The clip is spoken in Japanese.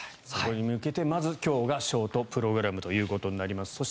そこに向けて、まず今日がショートプログラムとなります。